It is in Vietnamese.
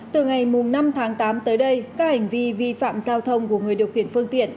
từ ngày năm tháng tám tới đây các hành vi vi phạm giao thông của người điều khiển phương tiện